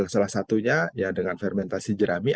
salah satunya ya dengan fermentasi jerami